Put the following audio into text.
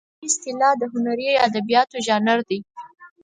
په ادبي اصطلاح د هنري ادبیاتو ژانر دی.